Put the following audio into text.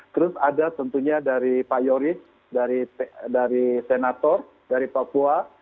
terus ada tentunya dari pak yoris dari senator dari papua